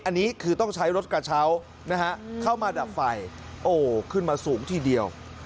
อันนี้คือต้องใช้รถกระเช้านะฮะเข้ามาดับไฟโอ้ขึ้นมาสูงทีเดียว